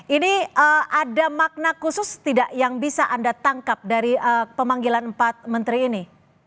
ini ada makna khusus tidak yang bisa anda tangkap dari pemanggilan empat menteri ini